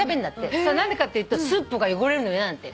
それは何でかっていうとスープが汚れるの嫌なんだって。